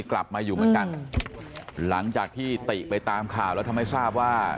กลับมาอยู่เหมือนกันหลังจากที่ติไปตามข่าวแล้วทำให้ทราบว่า